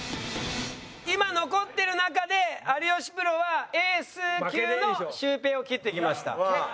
今残ってる中で有吉プロはエース級のシュウペイを切ってきました。